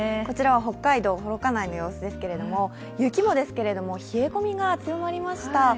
こちらは北海道幌加内の様子ですけれども雪もですけれども、冷え込みが強まりました。